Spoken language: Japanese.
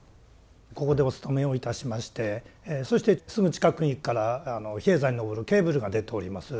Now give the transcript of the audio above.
ここでお勤めをいたしましてそしてすぐ近くから比叡山に上るケーブルが出ております。